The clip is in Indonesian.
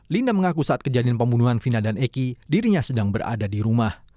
linda mengaku saat kejadian pembunuhan vina dan eki dirinya sedang berada di rumah